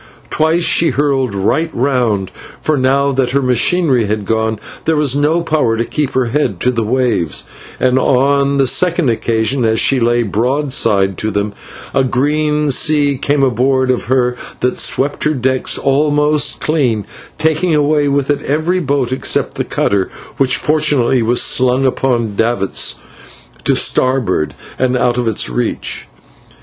Twice she whirled right round, for now that her machinery had gone there was no power to keep her head to the waves, and on the second occasion, as she lay broadside to them, a green sea came aboard of her that swept her decks almost clean, taking away with it every boat except the cutter, which fortunately was slung upon davits to starboard and out of its reach.